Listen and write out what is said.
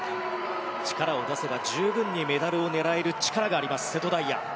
力を出せば十分にメダルを狙える力があります、瀬戸大也。